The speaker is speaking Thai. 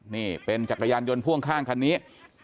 นี่เป็นจักรยานยนต์พ่วงข้างคันนี้